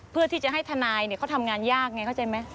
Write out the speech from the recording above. เพื่อที่จะให้ทนายเขาทำงานยากไงเข้าใจไหม